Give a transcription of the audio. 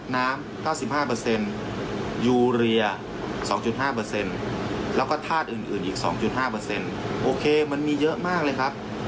น้ำ๙๕ยูเรีย๒๕แล้วก็ธาตุอื่นอีก๒๕โอเคมันมีเยอะมากเลยครับ